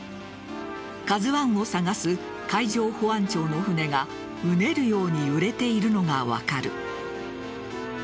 「ＫＡＺＵ１」を探す海上保安庁の船がうねるように揺れているのが分かる。